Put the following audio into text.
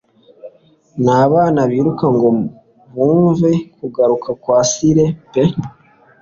Nta bana biruka ngo bumve kugaruka kwa sire pe